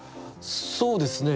そうですね。